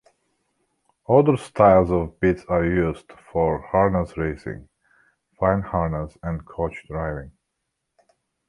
Other styles of bits are used for harness racing, fine harness, and coach driving.